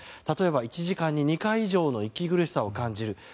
例えば１時間に２回以上の息苦しさを感じる。